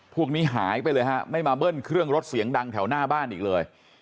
พวกนี้หายไปเลยฮะไม่มาเบิ้ลเครื่องรถเสียงดังแถวหน้าบ้านอีกเลย